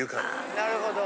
なるほど。